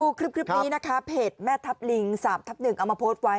คลิปนี้นะคะเพจแม่ทัพลิง๓ทับ๑เอามาโพสต์ไว้